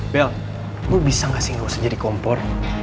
bel lo bisa gak sih gak usah jadi kompor